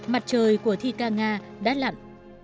mặt trời của thi ca nga đã lặn